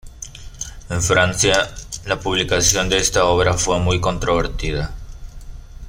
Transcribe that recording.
En Francia, la publicación de esta obra fue muy controvertida.